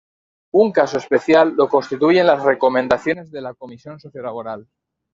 Un caso especial lo constituyen las recomendaciones de la Comisión Sociolaboral.